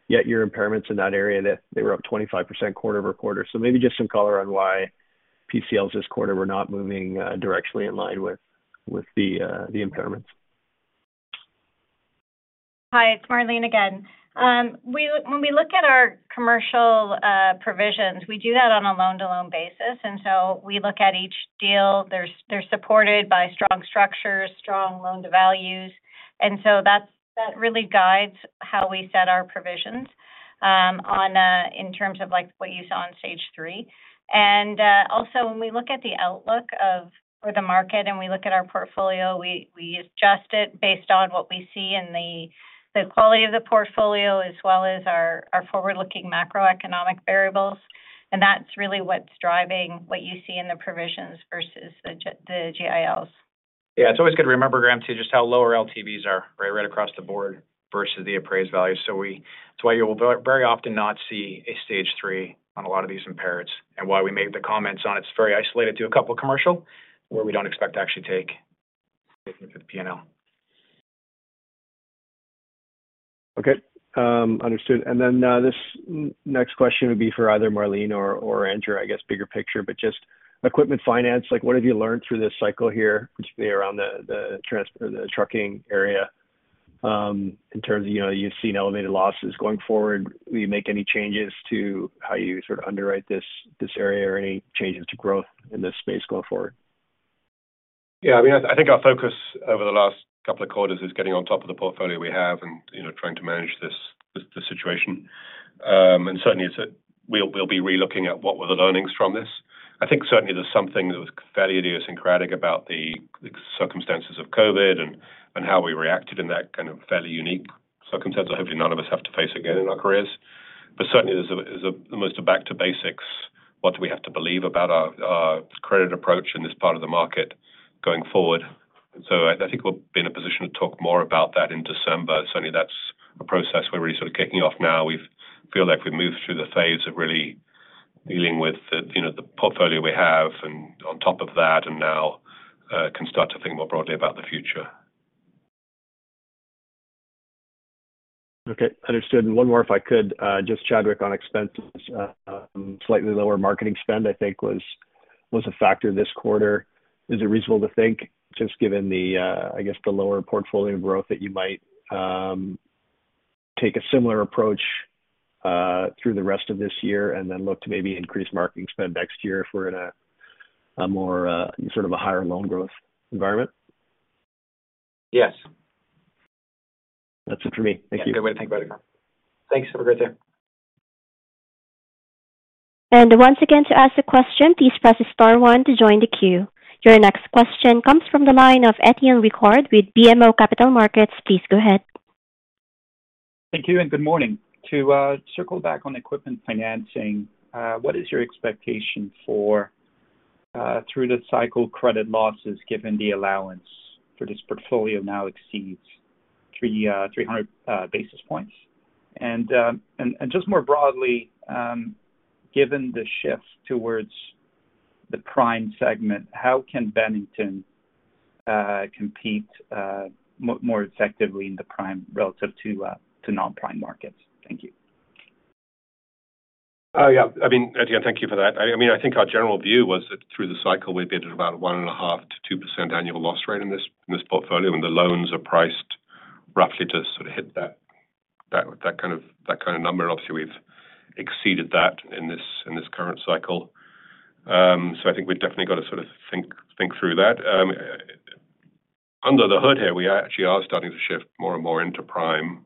Yet your impairments in that area, that they were up 25% quarter-over-quarter. So maybe just some color on why PCLs this quarter were not moving directly in line with the impairments. Hi, it's Marlene again. When we look at our commercial provisions, we do that on a loan-to-loan basis, and so we look at each deal. They're supported by strong structures, strong loan-to-values, and so that's, that really guides how we set our provisions in terms of, like, what you saw on Stage 3. And also, when we look at the outlook for the market and we look at our portfolio, we adjust it based on what we see and the quality of the portfolio, as well as our forward-looking macroeconomic variables, and that's really what's driving what you see in the provisions versus the GILs. Yeah, it's always good to remember, Graham, too, just how lower LTVs are, right, right across the board versus the appraised value. So that's why you'll very often not see a Stage 3 on a lot of these impairments, and why we made the comments on it's very isolated to a couple of commercial where we don't expect to actually take for the P&L. Okay, understood. And then, this next question would be for either Marlene or, or Andrew, I guess, bigger picture, but just equipment finance, like, what have you learned through this cycle here, particularly around the trucking area, in terms of, you know, you've seen elevated losses. Going forward, will you make any changes to how you sort of underwrite this area, or any changes to growth in this space going forward? Yeah, I mean, I think our focus over the last couple of quarters is getting on top of the portfolio we have and, you know, trying to manage this situation. And certainly we'll be relooking at what were the learnings from this. I think certainly there's something that was fairly idiosyncratic about the circumstances of COVID and how we reacted in that kind of fairly unique circumstances hopefully none of us have to face again in our careers. But certainly there's almost a back to basics, what do we have to believe about our credit approach in this part of the market going forward? So I think we'll be in a position to talk more about that in December. Certainly that's a process we're really sort of kicking off now. We feel like we've moved through the phase of really dealing with the, you know, the portfolio we have and on top of that, and now can start to think more broadly about the future. Okay, understood. And one more, if I could, just Chadwick on expenses. Slightly lower marketing spend, I think was a factor this quarter. Is it reasonable to think, just given the, I guess, the lower portfolio growth, that you might take a similar approach through the rest of this year and then look to maybe increase marketing spend next year if we're in a more, sort of a higher loan growth environment? Yes. That's it for me. Thank you. Good way to think about it. Thanks. Have a great day. Once again, to ask the question, please press star one to join the queue. Your next question comes from the line of Étienne Ricard with BMO Capital Markets. Please go ahead. Thank you, and good morning. To circle back on equipment financing, what is your expectation for through the cycle credit losses, given the allowance for this portfolio now exceeds 300 basis points? And just more broadly, given the shift towards the prime segment, how can Bennington compete more effectively in the prime relative to non-prime markets? Thank you. Oh, yeah. I mean, again, thank you for that. I mean, I think our general view was that through the cycle, we'd be at about 1.5%-2% annual loss rate in this portfolio, and the loans are priced roughly to sort of hit that kind of number. Obviously, we've exceeded that in this current cycle. So I think we've definitely got to sort of think through that. Under the hood here, we actually are starting to shift more and more into prime.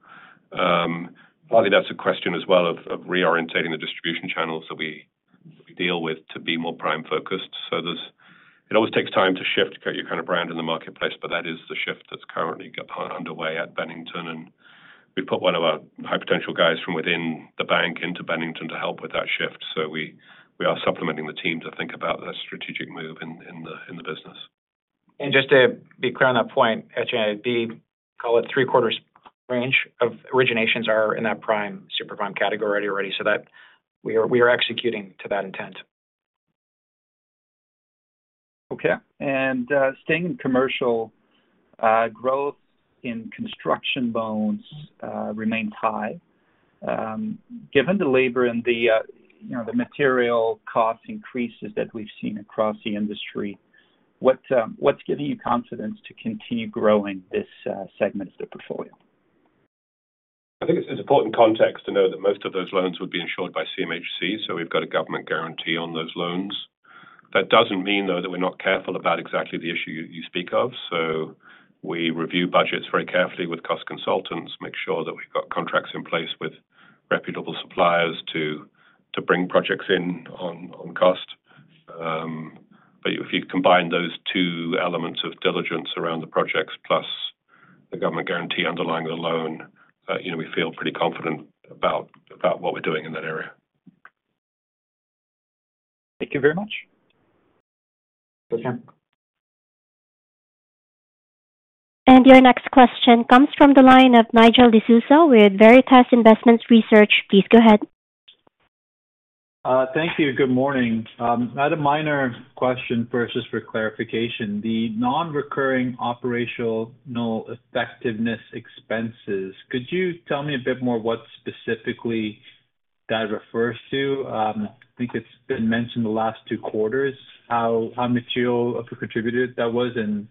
Partly that's a question as well of reorienting the distribution channels that we deal with to be more prime-focused. So it always takes time to shift your kind of brand in the marketplace, but that is the shift that's currently underway at Bennington, and we've put one of our high potential guys from within the bank into Bennington to help with that shift. So we are supplementing the team to think about that strategic move in the business. Just to be clear on that point, at EQB, call it three-quarters range of originations are in that prime, super prime category already, so that we are executing to that intent. Okay. Staying in commercial, growth in construction loans remained high. Given the labor and the, you know, the material cost increases that we've seen across the industry, what's giving you confidence to continue growing this segment of the portfolio? I think it's important context to know that most of those loans would be insured by CMHC, so we've got a government guarantee on those loans. That doesn't mean, though, that we're not careful about exactly the issue you speak of. So we review budgets very carefully with cost consultants, make sure that we've got contracts in place with reputable suppliers to bring projects in on cost. But if you combine those two elements of diligence around the projects plus the government guarantee underlying the loan, you know, we feel pretty confident about what we're doing in that area. Thank you very much. Okay. Your next question comes from the line of Nigel D'Souza with Veritas Investment Research. Please go ahead. Thank you. Good morning. I had a minor question first, just for clarification. The nonrecurring operational effectiveness expenses, could you tell me a bit more what specifically that refers to? I think it's been mentioned the last two quarters, how material of a contributor that was, and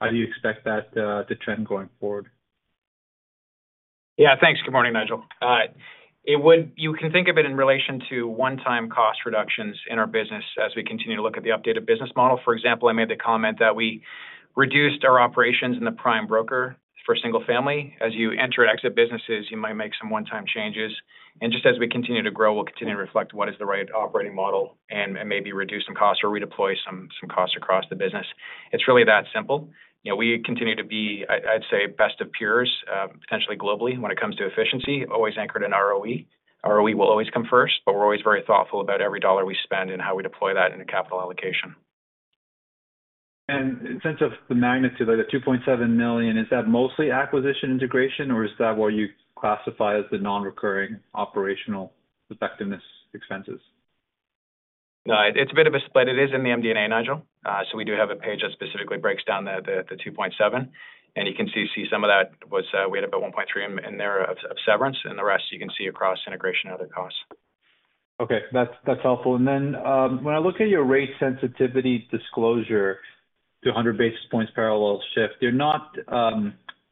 how do you expect that to trend going forward? Yeah. Thanks. Good morning, Nigel. You can think of it in relation to 1x cost reductions in our business as we continue to look at the updated business model. For example, I made the comment that we reduced our operations in the prime broker for single family. As you enter and exit businesses, you might make some 1x changes, and just as we continue to grow, we'll continue to reflect what is the right operating model and maybe reduce some costs or redeploy some costs across the business. It's really that simple. You know, we continue to be, I'd say, best of peers, potentially globally when it comes to efficiency, always anchored in ROE. ROE will always come first, but we're always very thoughtful about every dollar we spend and how we deploy that in a capital allocation. In terms of the magnitude, like the 2.7 million, is that mostly acquisition integration, or is that what you classify as the nonrecurring operational effectiveness expenses? It's a bit of a split. It is in the MD&A, Nigel. So we do have a page that specifically breaks down the 2.7 million, and you can see some of that was, we had about 1.3 million in there of severance, and the rest you can see across integration and other costs. Okay, that's helpful. And then, when I look at your rate sensitivity disclosure to 100 basis points parallel shift, you're not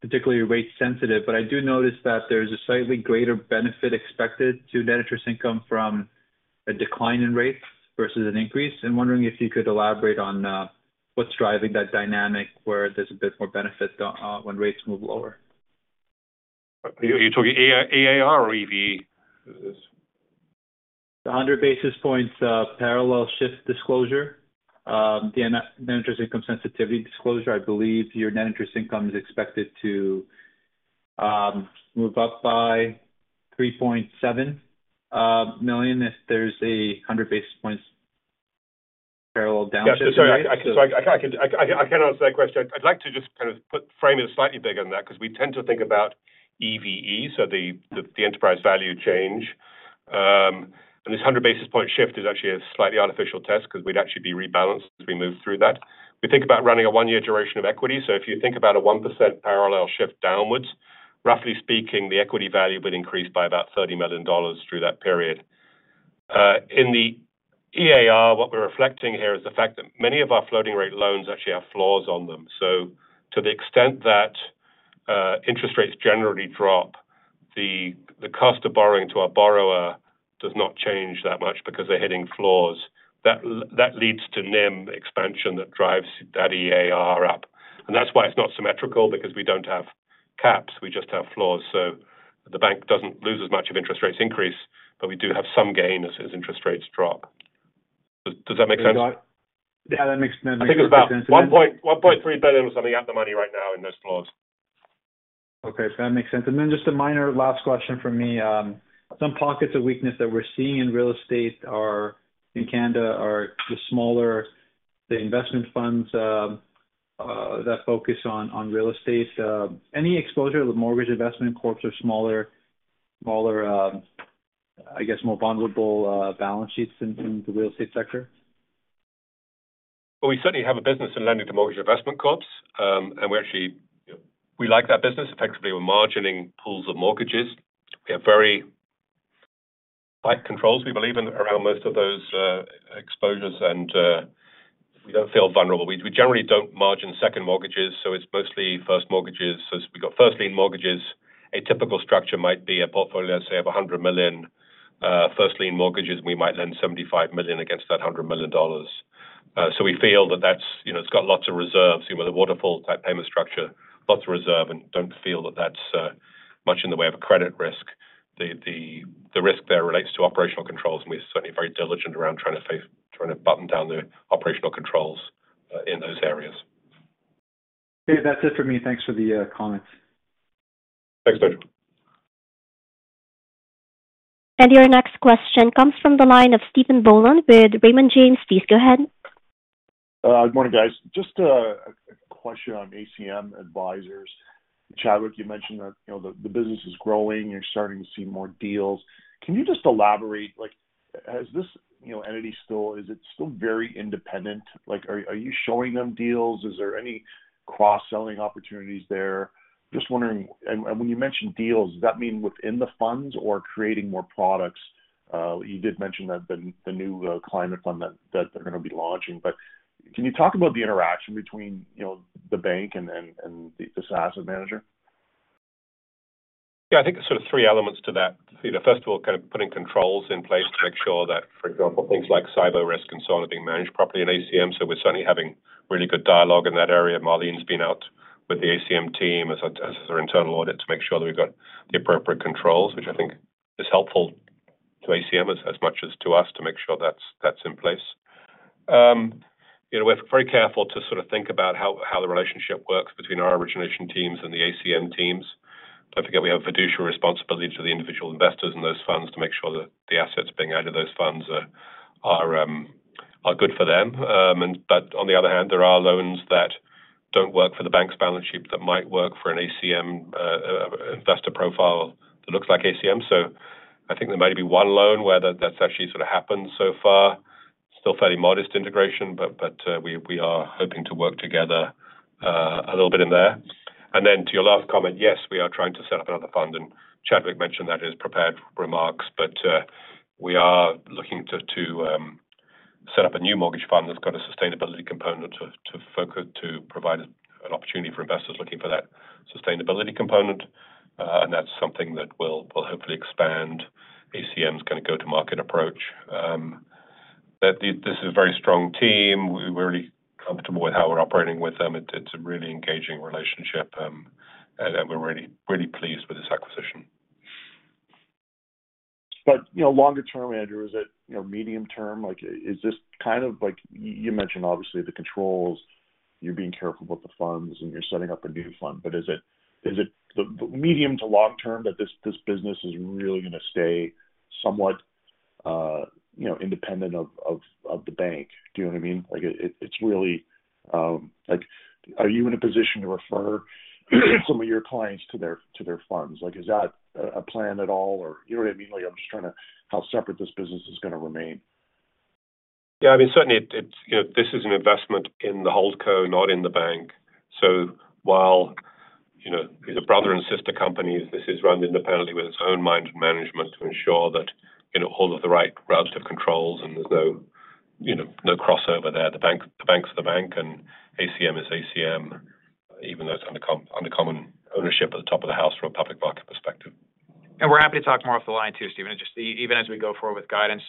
particularly rate sensitive, but I do notice that there's a slightly greater benefit expected to net interest income from a decline in rates versus an increase. I'm wondering if you could elaborate on what's driving that dynamic, where there's a bit more benefit when rates move lower. Are you talking EAR or EVE? 100 basis points parallel shift disclosure. The net interest income sensitivity disclosure, I believe your net interest income is expected to move up by 3.7 million if there's a 100 basis points parallel down shift. Yeah, sorry. I can answer that question. I'd like to just kind of put frame it slightly bigger than that, because we tend to think about EVE, so the economic value of equity. And this 100 basis points shift is actually a slightly artificial test because we'd actually be rebalanced as we move through that. We think about running a one-year duration of equity. So if you think about a 1% parallel shift downwards, roughly speaking, the equity value would increase by about 30 million dollars through that period. In the EAR, what we're reflecting here is the fact that many of our floating rate loans actually have floors on them. So to the extent that interest rates generally drop, the cost of borrowing to our borrower does not change that much because they're hitting floors. That leads to NIM expansion that drives that EAR up. And that's why it's not symmetrical, because we don't have caps, we just have floors. So the bank doesn't lose as much if interest rates increase, but we do have some gain as interest rates drop. Does that make sense? Yeah, that makes sense. I think it's about 1.1 billion-1.3 billion or something at the money right now in those floors. Okay, that makes sense, and then just a minor last question for me. Some pockets of weakness that we're seeing in real estate in Canada are the smaller investment funds that focus on real estate. Any exposure to the mortgage investment corps or smaller, I guess, more vulnerable balance sheets in the real estate sector? Well, we certainly have a business in lending to mortgage investment corps, and we actually like that business. Effectively, we're margining pools of mortgages. We have very tight controls, we believe, in around most of those exposures, and we don't feel vulnerable. We generally don't margin second mortgages, so it's mostly first mortgages, so we've got first lien mortgages. A typical structure might be a portfolio, let's say, of 100 million first lien mortgages. We might lend 75 million against that 100 million dollars. So we feel that that's, you know, it's got lots of reserves, you know, with a waterfall type payment structure, lots of reserve, and don't feel that that's much in the way of a credit risk. The risk there relates to operational controls, and we're certainly very diligent around trying to button down the operational controls in those areas. Okay, that's it for me. Thanks for the comments. Thanks, Nigel. Your next question comes from the line of Stephen Boland with Raymond James. Please go ahead. Good morning, guys. Just a question on ACM Advisors. Chadwick, you mentioned that, you know, the business is growing, you're starting to see more deals. Can you just elaborate, like, has this, you know, entity still, is it still very independent? Like, are you showing them deals? Is there any cross-selling opportunities there? Just wondering. And when you mention deals, does that mean within the funds or creating more products? You did mention that the new climate fund that they're gonna be launching, but can you talk about the interaction between, you know, the bank and this asset manager? Yeah, I think there's sort of three elements to that. You know, first of all, kind of putting controls in place to make sure that, for example, things like cyber risk and so on are being managed properly in ACM. So we're certainly having really good dialogue in that area. Marlene's been out with the ACM team as our internal audit to make sure that we've got the appropriate controls, which I think is helpful to ACM as much as to us, to make sure that's in place. You know, we're very careful to sort of think about how the relationship works between our origination teams and the ACM teams. Don't forget, we have a fiduciary responsibility to the individual investors in those funds to make sure that the assets being added to those funds are good for them. And but on the other hand, there are loans that don't work for the bank's balance sheet that might work for an ACM investor profile that looks like ACM. So I think there might be one loan where that, that's actually sort of happened so far. Still fairly modest integration, but we are hoping to work together a little bit in there. And then to your last comment, yes, we are trying to set up another fund, and Chadwick mentioned that in his prepared remarks. But we are looking to set up a new mortgage fund that's got a sustainability component to focus to provide an opportunity for investors looking for that sustainability component. And that's something that will hopefully expand ACM's kind of go-to-market approach. This is a very strong team. We're really comfortable with how we're operating with them. It's a really engaging relationship, and we're really, really pleased with this acquisition. You know, longer term, Andrew, is it, you know, medium term? Like, is this kind of like? You mentioned obviously the controls, you're being careful about the funds, and you're setting up a new fund, but is it the medium to long term that this business is really gonna stay somewhat, you know, independent of the bank? Do you know what I mean? Like, it's really, like, are you in a position to refer some of your clients to their funds? Like, is that a plan at all, or you know what I mean? Like, I'm just trying to. How separate this business is gonna remain. Yeah, I mean, certainly it, it's, you know, this is an investment in the HoldCo, not in the bank. So while, you know, these are brother and sister companies, this is run independently with its own management to ensure that, you know, all of the right relative controls and there's no, you know, no crossover there. The bank, the bank's the bank and ACM is ACM, even though it's under common ownership at the top of the house from a public market perspective. And we're happy to talk more off the line, too, Stephen. Just even as we go forward with guidance,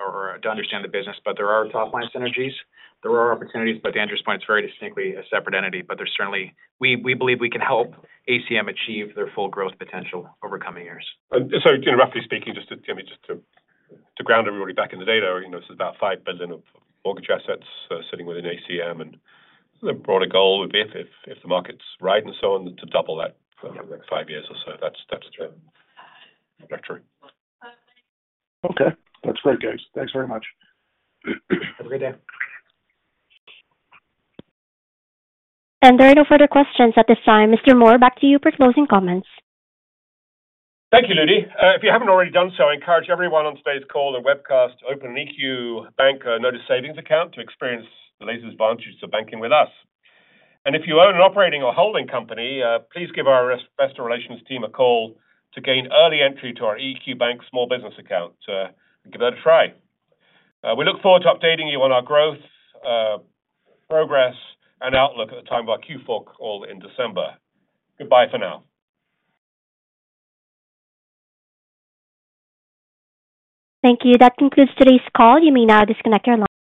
or to understand the business, but there are top-line synergies. There are opportunities, but Andrew's point, it's very distinctly a separate entity. But there's certainly. We believe we can help ACM achieve their full growth potential over coming years. So, you know, roughly speaking, just to ground everybody back in the data, you know, this is about 5 billion of mortgage assets sitting within ACM. And the broader goal would be if the market's right and so on, to double that for the next five years or so. That's the trajectory. Okay. That's great, guys. Thanks very much. Have a great day. There are no further questions at this time. Mr. Moor, back to you for closing comments. Thank you, Ludi. If you haven't already done so, I encourage everyone on today's call and webcast to open an EQ Bank Notice Savings Account to experience the latest advantages of banking with us. And if you own an operating or holding company, please give our investor relations team a call to gain early entry to our EQ Bank Small Business Account to give it a try. We look forward to updating you on our growth, progress and outlook at the time of our Q4 call in December. Goodbye for now. Thank you. That concludes today's call. You may now disconnect your line.